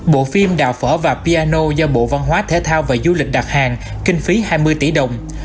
bộ phim đào phở và piano do bộ văn hóa thể thao và du lịch đặt hàng kinh phí hai mươi tỷ đồng